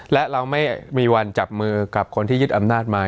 และเราไม่มีวันจับมือกับคนที่ยึดอำนาจมา